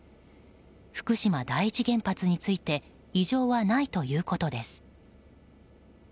福島第一原発について異常はないということです。